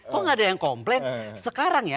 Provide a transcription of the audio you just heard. kok nggak ada yang komplain sekarang ya